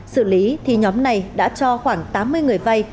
xử lý thì nhóm này đã cho khoảng tám mươi người vay